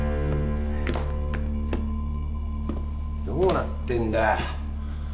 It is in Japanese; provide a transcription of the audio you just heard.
どうなってんだよ。